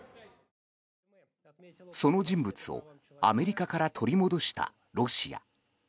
その人物をアメリカから取り戻したロシア。